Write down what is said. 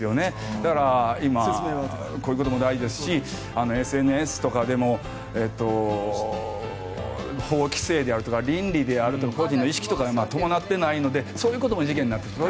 だから今こういうことも大事ですしＳＮＳとかでも法規制であるとか倫理であるとか個人の意識とか伴ってないのでそういうことも事件になってる。